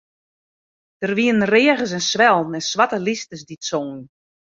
Der wiene reagers en swellen en swarte lysters dy't songen.